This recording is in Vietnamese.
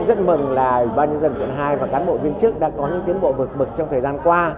rất mừng là bà nhân dân tuyển hai và cán bộ viên chức đã có những tiến bộ vượt bực trong thời gian qua